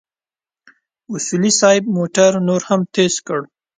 اصولي صیب موټر نور هم تېز کړ.